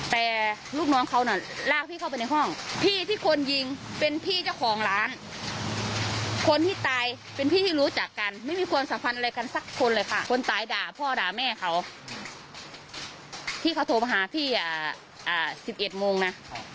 พื้นชนะเขาพี่เขาโทรมาหาพี่๑๑โมงนะ